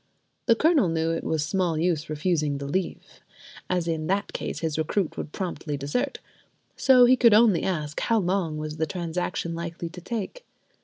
The Colonel knew it was small use refusing the leave, as in that case his recruit would promptly desert; so he could only ask, how long was the transaction like to take?